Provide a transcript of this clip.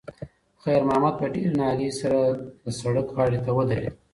خیر محمد په ډېرې ناهیلۍ سره د سړک غاړې ته ودرېد.